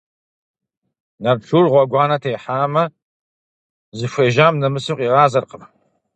Нарт шур гъуэгуанэ техьамэ, зыхуежьам нэмысу къигъазэркъым.